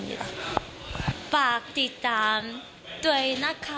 ขอบคุณค่ะ